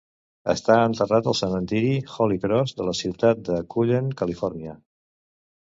Està enterrat al cementiri Holy Cross de la ciutat de Cullen, Califòrnia.